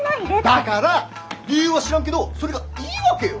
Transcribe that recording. だから理由は知らんけどそれがいいわけよ。